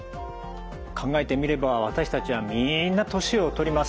考えてみれば私たちはみんな年を取ります。